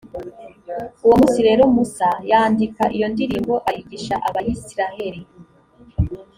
uwo munsi rero musa yandika iyo ndirimbo, ayigisha abayisraheli.